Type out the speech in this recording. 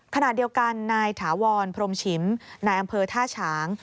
ขณะเดียวกันนายถาวรพรมฉิมนายอำเภอท่าฉาง